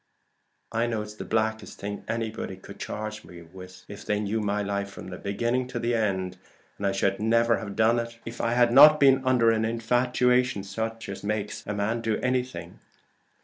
I know it's the blackest thing anybody could charge me with, if they knew my life from beginning to end; and I should never have done it, if I had not been under an infatuation such as makes a man do anything.